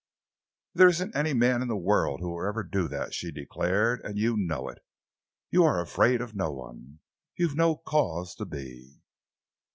"There isn't any man in the world will ever do that," she declared, "and you know it. You are afraid of no one. You've no cause to be."